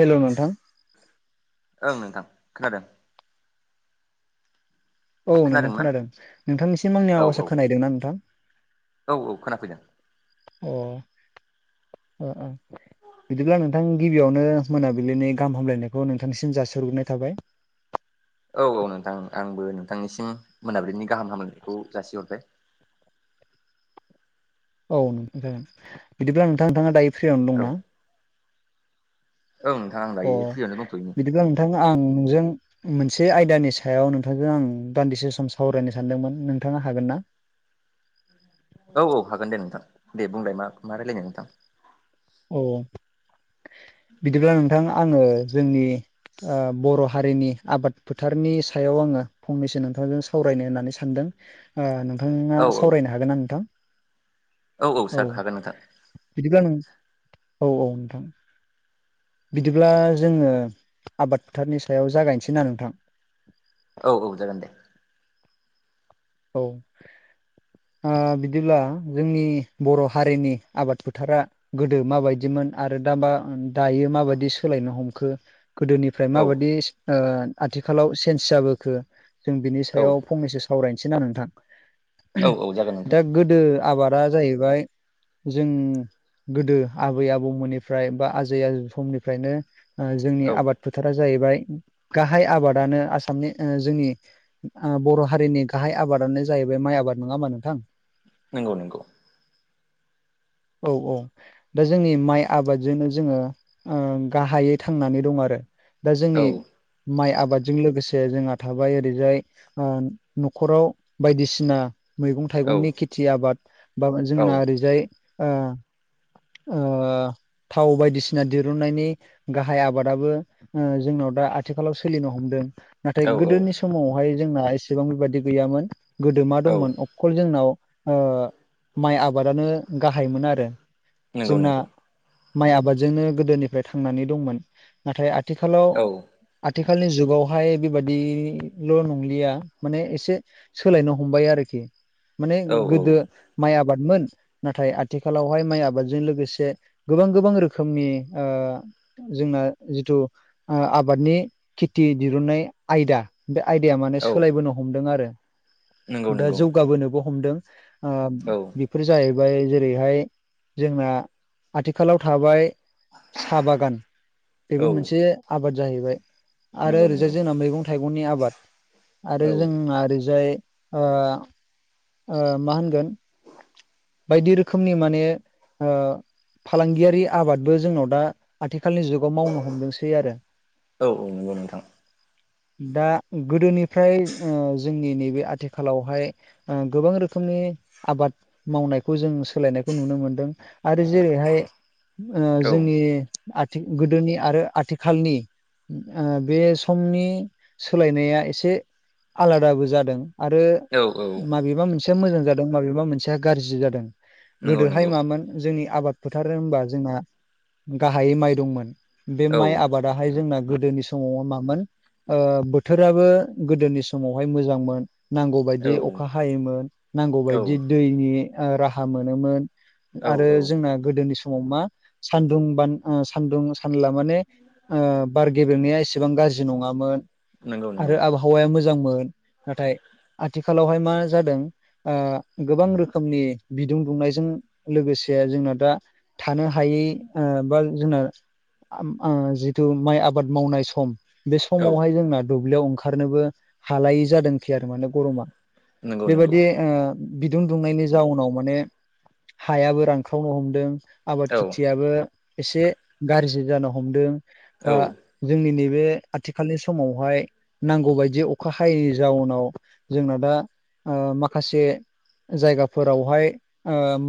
हेल' नोंथां। ओं नोंथां खोनोनादों। औ नोंथां खोनादोंना खोनादों नोंथांनिसिम आंनि औ आवाजा औ खोनायैदों ना नोंथां? औ औ खोनाफैदों अ-अ -अ। बिदिब्ला नोंथां गिबियावनो मोनाबिलिनि गाहाम हामलायनायखौ नोंथांनिसिम जासिहरग्रोनाय थाबाय। औ-औ नोंथां आंबो नोंथांनिसिम मोनाबिलिनि गाहाम हामलायखौ जासिहरबाय। औ नोंथां जागोन बिदिब्ला नोंथाङा-नोंथाङा दायो फ्रियावनो औ दं ना? औ नोंथां। अ दायो फ्रियावनो दंथ'योमोन बिदिब्ला नोंथां आं नोंजों मोनसे आयदानि सायाव नोंथांजों आं दान्दिसे सम सावरायनो सानदोंमोन नोंथाङा हागोन ना? औ-औ हागोन दे नोंथां दे बुंलाय मा-मा रायजलायनो नोंथां? औ बिदिब्ला नोंथां आङो जोंनि ओ बर' हारिनि आबाद फोथारनि सायाव आङो फंनैसो नोंथांजों सा सावरायनो होननानै सानदों ओ नोंथाङा औ सावरायनो हागोन ना नोंथां? औ-औ औ सार हागोन नोंथां। बिदिब्ला नों औ-औ नोंथां। बिदिब्ला जोङो आबाद फोथारनि सायाव जागायनोसै ना नोंथां। औ-औ जागोन दे औ ओ बिदिब्ला जोंनि बर' हारिनि आबाद फोथारा गोदो माबायदिमोन आरो दाबा दायो माबायदि सोलायनो हमखो गोदोनि ओमफ्राय औ माबादि ओ आथिखालाव चेन्स जाबोखो जों बिनि औ सायाव फंनैसो सावरायनो सैना नोंथां औ औ जागोन नोंथां दा गोदो आबादा जाहैबाय जों गोदो आबै आबौमोननिफ्राय बा आजै आजै समनिफ्रायनो जोंनि औ आबाद फोथारा जाहैबाय गाहाय आबादानो आसामनि ओ जोंनि ओ बर' हारिनि गाहाय आबादानो जाहैबाय माइ आबाद नङामा नोंथां नंगौ-नंगौ औ-औ दा जोंनि माइ आबादजोंनो जोङो ओ गाहायै थांनानै दं आरो दा औ जोंनि माइ आबादजों लोगोसे जोंहा थाबाय ओरैजाय ओ न'खराव बायदिसिना मैगं औ थाइगंनि खेथि आबाद बा औ जोंना ओरैजाय ओ ओ थाव बायदिसिना दिरुननायनि गाहाय आबादाबो ओ जोंनाव दा आथिखालाव सोलिनो हमदों नाथाय औ गोदोनि समावहाय जोंना एसेबां बेबायादि गैयामोन गोदो मा औ दंमोन अ खल जोंनाव ओ माइ आबादानो गाहायमोन आरो। नंगौ जोंना नंगौ माइ आबादजोंनो गोदोनिफ्राय थांनानै दंमोन। नाथाय आथिखालाव औ आथिखालनि जुगावहाय बेबादिल' नंलिया माने एसे सोलायनो हमबाय आरोखि माने औ गोदो औ माइ आबादमोन नाथाय आथिखालाव बेवहाय माइ आबादजों लोगोसे गोबां-गोबां रोखोमनि ओ जोंना जिथु ओ आबादनि खेथि दिहुननाय आयदा बे आयदाया माने औ सोलायबोनो हमदों आरो नंगौ दा नंगौ जौगाबोनोबो हमदों। ओ औ बेफोर जाहैबाय जेरैहाय जोंना आथिखालाव थाबाय साहा बागान बेबो औ मोनसे आबाद जाहैबाय आरो नंगौ ओरैजाय नंगौ जोंना मैगं थाइगंनि आबाद आरो औ जोंना ओरैजाय ओ मा होनगोन बायदि रोखोमनि माने ओ फालांगियारि आबादबो जोंनाव दा आथिखालनि जुग मावनो हदोंसै आरो। औ नंगौ नोंथां दा गोदोनिफ्राय जोंनि नैबे आथिखालावहाय ओ गोबां रोखोमनि आबाद मावनायखौ जों सोलायनायखौ नुनो मोनदों। आरो जेरैहाय ओ औ जोंनि आथि गोदोनि आरो आथिखालनि बे समनि सोलायनाया एसे आलादाबो जादों आरो औ औ माबेबा मोनसेया मोजां जादों माबेबा मोनसेया गाज्रि जादों नंगौ गोदोहाय नंगौ मामोन जोंनि आबाद फोथारो होमबा जोंना गाहायै माइ दंमोन बे औ माइ आ बादाहाय जोंना गोदोनि समाव मामोन ओ बोथोराबो गोदोनि समावहाय मोजांमोन। औ नांगौबायायदि अखा हायोमोन नांगौ औ बदि दैनि राहा मोनोमोन। औ आरो औ जोंना गोदोनि समाव मा सान्दुं बान सान्दुं सानला माने बार गेबेंनाया एसेबां गाज्रि नङामोन। नंगौ नंगौ आरो आबहावाया मोजांमोन नाथाय आथिखालावहाय मा जादों ओ गोबां रोखोमनि बिदुं दुंनायजों लोगोसे जोंना दा थानो हायै ओ बा जोंना आम जिथु माइ आबाद मावनाय सम बे औ समावहाय जोंना दुब्लियाव ओंखारनोबो हालायै जादोंखै आरो माने गरमा। नंगौ नंगौ बेबादि ओ बिदुं दुंनायनि जाउनाव माने हायाबो रानख्रावनो हमदों। आबाद औ खेथियाबो एसे गाज्रि जानो हमदों औ बा जोंनि नैबे आथिखालनि समावहाय नांगौ बायदि अखा हायैनि जाउनाव जोंना दा ओ माखासे जायगाफोरावहाय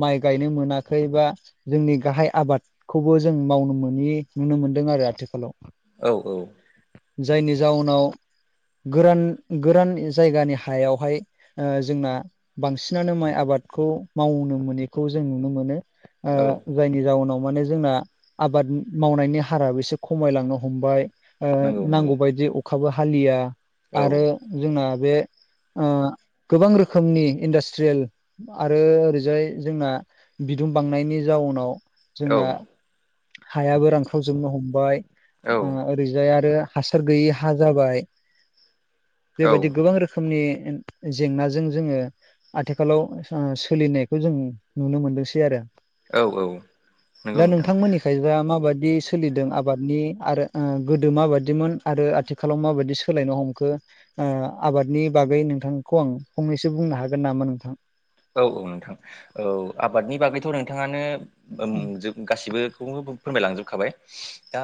माइ गायनो मोनाखै बा जोंनि गाहाय आबाद खौबो जों मावनो मोनि नुनो मोनदों आरो आथिखालाव औ औ जायनि जाउनाव गोरान गोरान जायगानि हायावहाय जोंना बांसिनानो माइ आबादखौ मावनो मोनैखौ जों नुनो मोनो। ओ औ जायनि जााहनाव माने जोंना आबाद मावनायनि हाराबो एसे खमायलांनो हमबाय। ओ नंगौ नंगौ नांगौबायायदि अखाबो हालिया औ आरो जोंना बे ओ गोबां रोखोमनि इन्डास्ट्रियेल आरो ओरैजाय जोंना बिदुं बांनायनि जाउनाव औ जोंना हायाबो रानख्रावजोबनो हमबाय औ ओरैजाय आरो हासार गैयि हा जाबाय औ बेबायदि गोबां रोखोमनि जेंनाजों जोंङो आथिखालाव सोलिनायखौ जों नुनो मोनदोंसै आरो। औ नंगौ दा नोंथां नोंथांमोननि खै जा माबायदि सोलिदों आबादनि आरो गोदो माबादिमोन आरो आथिखालाव माबायदि सोलायनो हमखो आबादनि बागै नोंथां खौ आं फंनैसो बुंनो हागोन नामा नोंथां। औ औ नोंथां औ आबादनि बागैथ' नोंथाङानो अम जोब गासिबोखौ फोरमायलांजोबखाबाय दा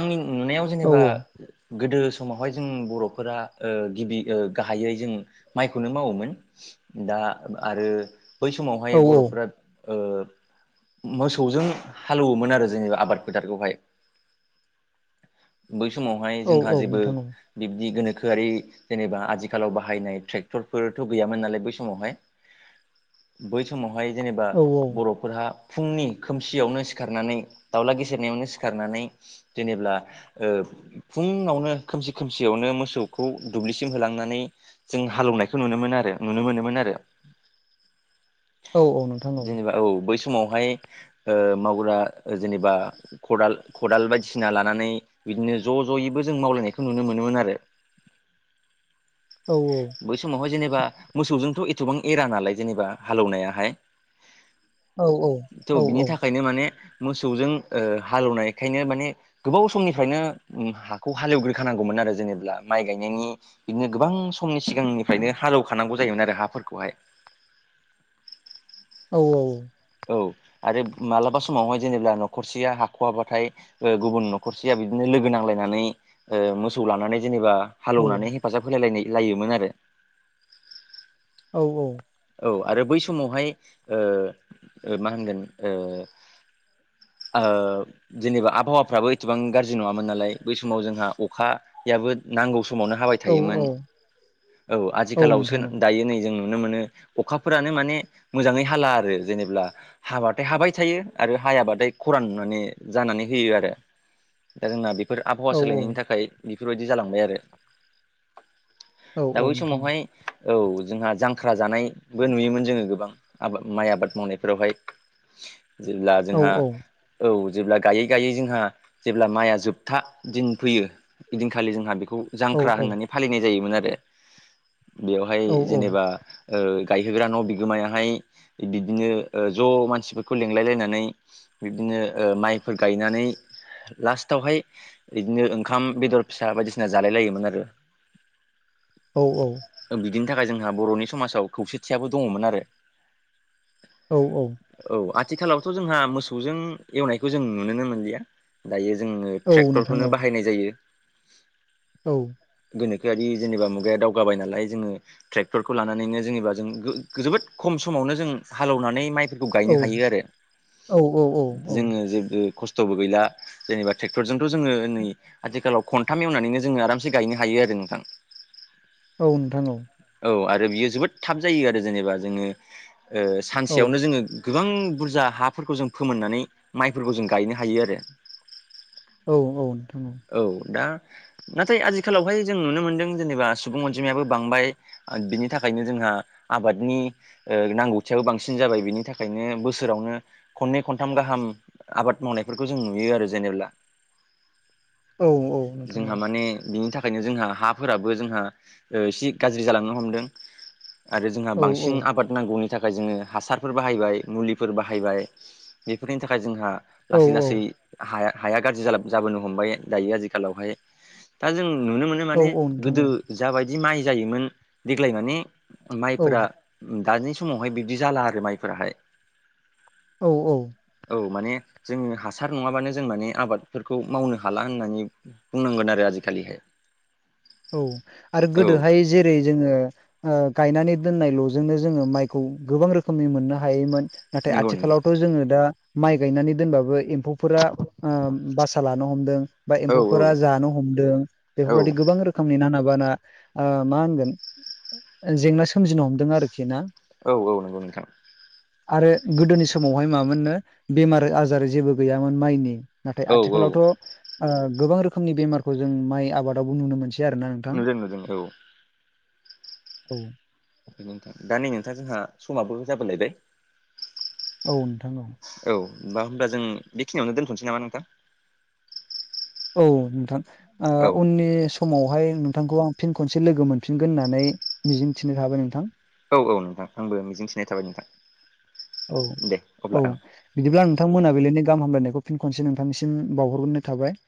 आंनि नुनायाव औ जेनेबा गोदो समावहाय जों बर'फोराओ गिबि गाहायै जों माइखौनो मावोमोन दा आरो बै समावहाय औ बर'फोरा ओ‌ मोसौजों हालौवोमोन आरो जोंनिब आबाद फोथारखौहाय। बै समावहाय औ जोंहा औ जेबो नोंथां औ बिबदि गोनोखोआरि जेनेबा आथिखालाव बाहायनाय ट्रेक्टरफोरथ' गैयामोन नालाय बै समावहाय [unintelligible] बै समावहाय जेनेबा औ बर' नखरहा फुंनि खोमसियावनो सिखारनानै दावउला गेसेेरनायावनो सिखारनानै जेनेब्ला ओ फुङावनो खोमसि खोमसियावनो मोसौखौ दुब्लिसिम होलांनानै जों हालेवनायखौ नुनोमोनो आरो नुनो मोनोमोन आरो। औ -औ नोंथां औ। जेनेबा औ बै समावहाय ओ मावग्रा जेनेबा खदाल खदाल बायदिसिना लानानै बिदिनो ज' ज'यैबो जों मावलायनायखौ नुनो मोनोमोन आरो। औ -औ। बै समावहाय जेनेबा मोसौजोंथ' एथबां एरा नालाय जेनेबा हालेवनायाहाय औ औ थ' औ बिनि औ थाखायनो माने मोसौजों ओ हालेवनायखायनो माने गोबाव समनिफ्रायनो हाखौ हालेवग्रोखानांगौमोन आरो जेनेबा माइ गायनायनि बिदिनो गोबां समनि सिगांनिफ्रायनो हालौखानांगौ जायोमोन आरो हाफोरखौहाय। औ - औ। औ आरो मालाबा समावहाय जेनेबा न'खरसेया हाख'वाबाथाय ओ गुबुन न'खरसेया बिदिनो लोगो नांलायनानै ओ मोसौ लानानै जेनेबा औ हालेवनानै हेफाजाब होलायलायनाय लायोमोन आरो। औ -औ। औ आरो बै समावहाय ओ मा होनगोन ओ आओ जेनेबा आबहावाफ्राबो एथबां गाज्रि नङामोन नालाय बै समाव जोंहा अखायाबो नांगौ समावनो हाबाय थायोमोन औ औ औ नोंथां आजिखालावसो औ दायो नै जों नुनो मोनो अखाफोरानो माने मोजाङै हाला आरो जेनेब्ला हाबाथाय हाबाय थायो आरो हायाबाथाय खरान नुनानै जानानै होयो आरो। दा जोंना बेफोर आबहावा औ सोलायनायनि थाखाय बेफोरबायदि जालांबाय आरो। औ औ दा औ बै नोंथां समावहाय औ जोंहा जांख्रा जानाय बो नुयोमोन जोङो गोबां आबा माइ आबाद मावनायफोरावहाय जेब्ला औ जोंहा औ औ जेब्ला गायै - गायै जोंहा जेब्ला माइया जोबथा दिन फैयो ऐदिनखालि जोंहा बेखौ जांख्रा औ होननानै फालिनाय जायोमोन आरो बेवहाय औ जेनेबा ओ गायहोग्रा न' बिगोमायाहाय बिदिनो ज' मानसिफोरखौ लेंलायलायनानै बिबदिनो ओ माइफोर गायनानै लास्टावहाय बिदिनो ओंखाम बेदर फिसा बायदिसिना जालाय लायोमोन आरो। औ - औ। बिदिनि थाखाय जोंहा बर'नि समाजाव खौसेथियाबो दङमोन आरो। औ - औ। औ आथिखालावथ' जोंहा मोसौजों एवनायखौ जों नुुनोनो मोनलिया दायो जोङो औ नोंथां औ ट्रेक्टरखौनो बाहायनाय जायो। औ। गोनोखोआरि जेनेबा मुगाया दावगाबाय नालाय जोङो ट्रेक्टर खौ लानानैनो जेनेबा जों गो जोबोद खम समावनो जों हालेवनानै माइ खौ औ गायनो हायो आरो औ औ औ जोङो जेबो खस्थ खस्थ'बो गैला जेनेबा ट्रेक्टरजोंथ' जोङो नै आथिखालाव खनथाम एवनानैनो जोङो आरामसे गायनो हायो आरो नोंथां। औ नोंथां औ औ आरो बियो जोबोद थाब जायो आरो जेनेबा जोङो ओ औ सानसेयावनो जोङो गोबां बुरजा हाफोरखौ जों फोमोननानै माइफोरखौ जों गायनो हायो आरो। औ औ नोंथां औ। औ दा नाथाय आजिखालावहाय जों नुनो मोनदों जेनेबा सुबुं अनजिमायाबो बांबाय। बिनि थाखायनो जोंहा आबादनि ओ नांगौथियाबो बांसिन जाबाय बिनि थाखायनो बोसोरावनो खननै खनथाम गाहाम आबाद मावनायफोरखौ जों नुयो आरो जेनेब्ला। औ औ नोंथां औ ने बिनि थाखा- यनो जोंहा हाफोराबो जोंहा ओ इसे गाज्रि जालांनो हमदों। आरो जोंहा औ बांसिन आबाद नांगौनि थाखाय जोङो हासारफोर बाहायबाय मुलिफोर बाहायबाय बेफोरनि थाखाय जोंहा औ लासै लासै हाया-हाया गाज्रि जालां जाबोनो हमबाय दायो आजिखालावहाय दा जों नुनो मोनो माने औ नोंथां गोदो जा बायदि माइ जायोमोन देग्लाय माने औ माइफोरा दानि समावहाय बिबदि जाला आरो माइफोराहाय। औ औ औ माने जोङो हासार नङाबानो जों माने आबादफोरखौ मावनो हाला होननानै बुंनांगोन आरो आजिखालिहाय औ आरो औ गोदोहाय जेरै जोङो ओ गायनानै दोननाय ल'जोंनो जोङो माइखौ गोबां रोखोमनि मोननो हायोमोन। नाथाय नंगौ नंगौ आथिखालावथ' जोङो दा माइ गायनानै दोनबाबो एम्फौ फोरा ओ बासा लानो हमदों बा औ औ एम्फौफोरा जानो हमदों औ बेफोरबादि गोबां रोखोम- नि नाङा-बाङा मा होनगोन जेंना सोमजिनो हमदों आरोखि ना। औ औ नंगौ नोंथां आरो गोदोनि समावहाय मा मोननो बेमार-आजार जेबो गैयामोन माइनि। नाथाय औ औ आथिखालावथ' ओ गोबां रोखोमनि बेमारखौ जों माइ आबादावबो नुनो मोनसै। आरो ना नोंथां नुदों नुदों औ औ। नंगौ‌ नोंथां। दा नै नोंथां जोंहा समाबो जाबोलायबाय औ नोंथां औ औ दा होनबा जों बेखिनियावनो दोनथ'नोसै नामा नोंथां? औ नोंथां ओ औ उननि समावहाय नोंथांखौ आं फिन खनसे लोगो मोनफिनगोन होननानै मिजिंथिनाय थाबाय नोंथां। औ औ नोंथां आंबो मिजिं थिनाय थाबाय नोंथां। औ दे औ अब्ला ओं बिदिब्ला आ नोंथां मोनाबिलिनि गाहाम हामलायनायखौ फिन खनसे नोंथांनिसिम बावहरग्रोनाय थाबाय।